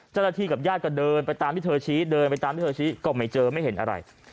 เจ้าหน้าที่กับญาติก็เดินไปตามที่เธอชี้เดินไปตามที่เธอชี้ก็ไม่เจอไม่เห็นอะไร